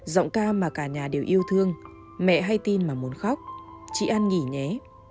giọng ca mà cả nhà đều yêu thương mẹ hay tin mà muốn khóc chỉ ăn nghỉ nhé